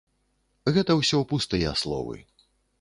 Гэта ўсё пустыя словы.